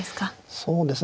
そうですね